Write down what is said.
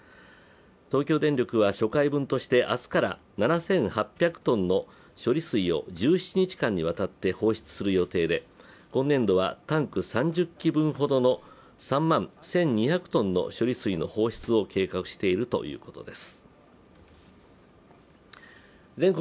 東京電力は初回分として明日から７８００ｔの処理水を１７日間にわたって放出する予定で、今年度はタンク３０基分ほどの３万１２００トンの処理水の放出を計画しているということです。